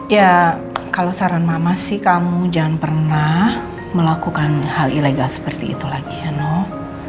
ya kalau saran mama sih kamu jangan pernah melakukan hal ilegal seperti itu lagi ya nok